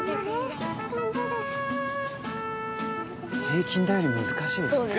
平均台より難しいですよね。